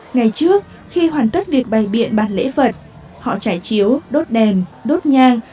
ngày trước khi hoàn tất việc bày biện bàn lễ vật họ trải chiếu đốt đèn đốt nhang